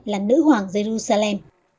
là nữ hoàng jerusalem